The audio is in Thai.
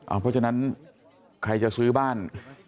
เพราะฉะนั้นใครจะซื้อบ้าน